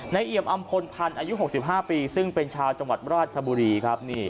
เอี่ยมอำพลพันธ์อายุ๖๕ปีซึ่งเป็นชาวจังหวัดราชบุรีครับ